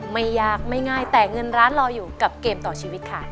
ไม่ยากไม่ง่ายแต่เงินร้านรออยู่กับเกมต่อชีวิตค่ะ